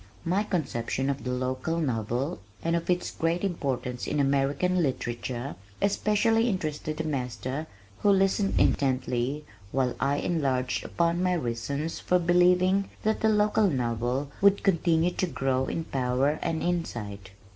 My conception of the local novel and of its great importance in American literature, especially interested the master who listened intently while I enlarged upon my reasons for believing that the local novel would continue to grow in power and insight.